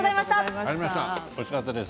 おいしかったです。